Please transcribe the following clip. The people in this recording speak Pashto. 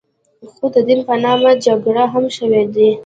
خو د دین په نامه جګړې هم شوې دي.